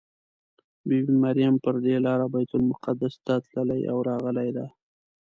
بي بي مریم پر دې لاره بیت المقدس ته تللې او راغلې ده.